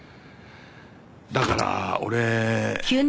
だから俺。